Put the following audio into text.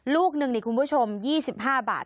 ลูกหนึ่งนี่คุณผู้ชม๒๕บาท